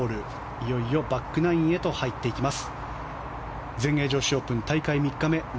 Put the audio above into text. いよいよバックナインへと入っていきます。